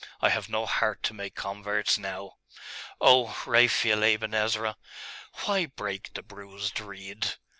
I have no heart to make converts now.... Oh, Raphael Aben Ezra, why break the bruised reed?